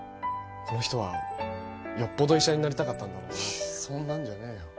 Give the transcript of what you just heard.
この人はよっぽど医者になりたかったんだろうなってそんなんじゃねえよ